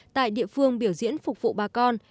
tại địa phương biểu diễn phục vụ bà con